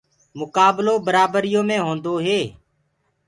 مُڪآبلو برآبريو مي هونٚدو هي